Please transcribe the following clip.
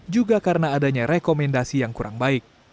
juga karena adanya rekomendasi yang kurang baik